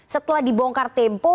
setelah dibongkar tempo